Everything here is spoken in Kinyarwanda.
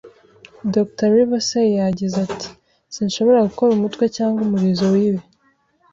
Dr. Livesey yagize ati: "sinshobora gukora umutwe cyangwa umurizo w'ibi."